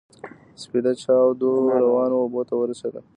سپېده چاود روانو اوبو ته ورسېدل.